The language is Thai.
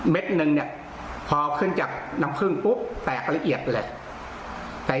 เม็ดหนึ่งเนี่ยพอขึ้นจากน้ำพื้งปุ๊บแตกละเอียดเลยแต่